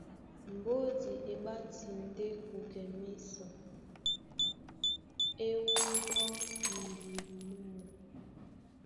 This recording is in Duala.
Mbódi e ɓáti ndé kukɛ mísɔ, e wúwa mundumbu mwáō.